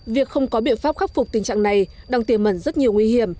việc không có biện pháp khắc phục tình trạng này đang tiềm mẩn rất nhiều nguy hiểm